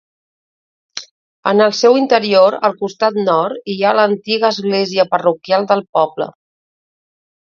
En el seu interior, al costat nord, hi ha l'antiga església parroquial del poble.